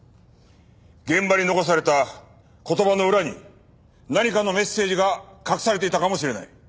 現場に残された言葉の裏に何かのメッセージが隠されていたかもしれない。